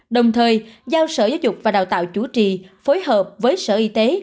đồng thời giao sở giáo dục và đào tạo chủ trì phối hợp với sở y tế